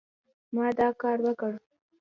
ما دا کار وکړ